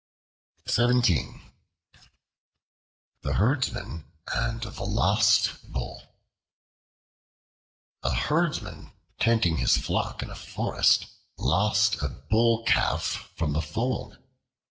The Herdsman and the Lost Bull A HERDSMAN tending his flock in a forest lost a Bull calf from the fold.